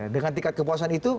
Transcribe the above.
dengan tingkat kepuasan itu